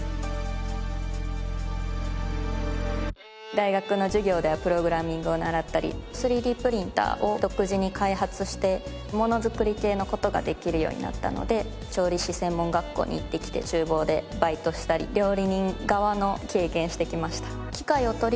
大学の授業ではプログラミングを習ったり３Ｄプリンターを独自に開発してものづくり系のことができるようになったので調理師専門学校に行ってきて厨房でバイトしたり料理人側の経験してきました。